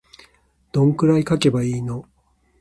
どんくらい書けばいいの